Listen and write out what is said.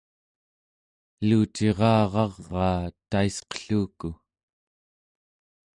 elucirararaa taisqelluku